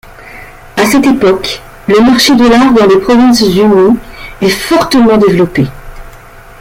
À cette époque, le marché de l'art dans les Provinces-Unies est fortement développé.